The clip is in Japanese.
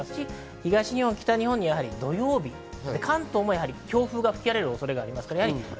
東日本、北日本は土曜日、関東も強風が吹き荒れる予想があります。